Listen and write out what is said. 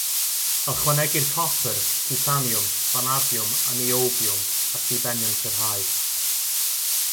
Ychwanegir copr, titaniwm, fanadiwm a niobiwm at ddibenion cryfhau.